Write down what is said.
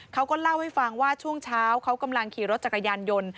เขาก็เล่าให้ฟังว่าช่วงเช้าเขากำลังขี่รถจักรยานยนต์